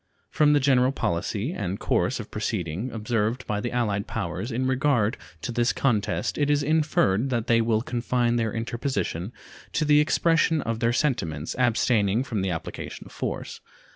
From the general policy and course of proceeding observed by the allied powers in regard to this contest it is inferred that they will confine their interposition to the expression of their sentiments, abstaining from the application of force.